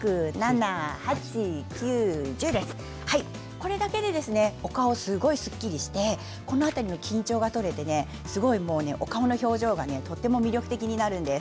これだけでお顔がすごいすっきりして緊張が取れてすごいお顔の表情がとっても魅力的になるんです。